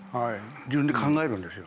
自分で考えるんですよ。